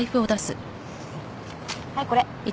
はいこれ。